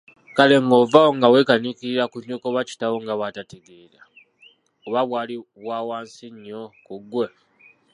Kale ng'ova awo nga weekaniikiririra ku nnyoko oba kitaawo nga bwatategeera, oba bwali owa wansi ennyo ku ggwe?